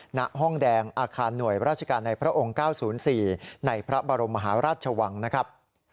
หน้าห้องแดงอาคารหน่วยราชการในพระองค์๙๐๔ในพระบรมมหาราชวังนะครับ